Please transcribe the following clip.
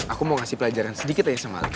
aku mau kasih pelajaran sedikit aja sama alika